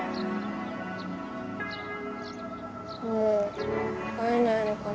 もう会えないのかな。